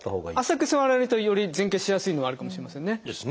浅く座られるとより前傾しやすいのはあるかもしれませんね。